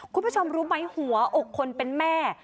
คุณผู้ชมรู้ไหมหัวอกคนเป็นแม่